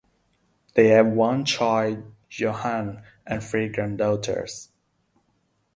They have one child, Joanne, and three granddaughters.